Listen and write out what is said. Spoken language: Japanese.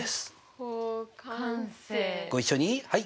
ご一緒にはい！